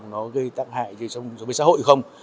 nó gây tác hại gì cho xã hội không